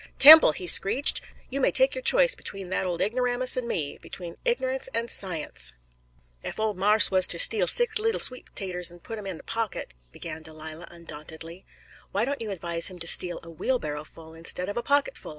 "Temple," he screeched, "you may take your choice between that old ignoramus and me between ignorance and science!" "Ef ole marse was ter steal six leetle sweet 'taters an' put 'em in he pocket," began Delilah, undauntedly. "Why don't you advise him to steal a wheelbarrowful instead of a pocketful?"